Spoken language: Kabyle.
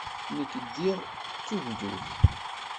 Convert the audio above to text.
Nekk ddiɣ d tugdut.